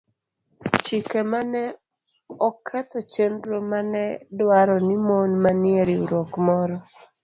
chike ma ne oketho chenro ma ne dwaro ni mon manie riwruok moro